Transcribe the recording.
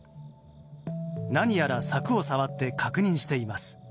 何やら、柵を触って確認しています。